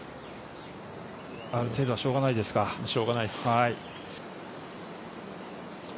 ある程度はしょうがないですしょうがないです。